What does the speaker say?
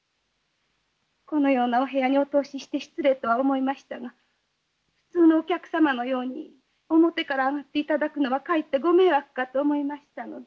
このようなお部屋にお通しして失礼とは思いましたが普通のお客様のように表から上がっていただくのはかえってご迷惑かと思いましたので。